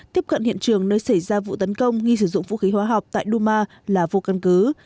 tiếp cận hiện trường nơi xảy ra vụ tấn công nghi sử dụng vũ khí hóa học tại đu ma là vụ căn cứ